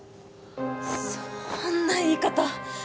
そんな言い方。